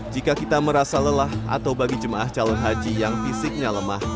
jika kita merasa lelah atau bagi jemaah calon haji yang fisiknya lemah